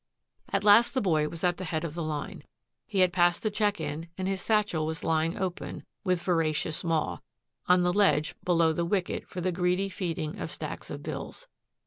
At last the boy was at the head of the line. He had passed the check in and his satchel was lying open, with voracious maw, on the ledge below the wicket for the greedy feeding of stacks of bills.